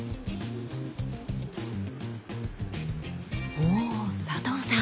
ほお佐藤さん